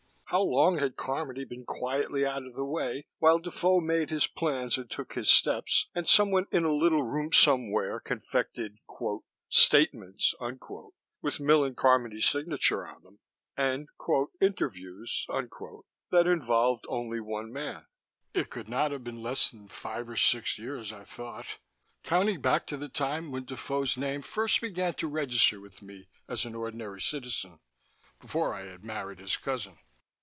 How long had Carmody been quietly out of the way, while Defoe made his plans and took his steps, and someone in a little room somewhere confected "statements" with Millen Carmody's signature on them and "interviews" that involved only one man? It could not have been less than five or six years, I thought, counting back to the time when Defoe's name first began to register with me as an ordinary citizen, before I had married his cousin.